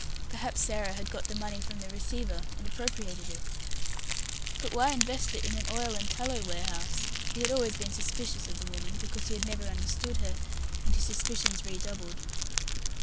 Perhaps Sarah had got the money from the receiver and appropriated it. But why invest it in an oil and tallow warehouse? He had always been suspicious of the woman, because he had never understood her, and his suspicions redoubled.